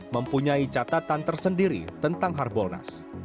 mempunyai catatan tersendiri tentang harbolnas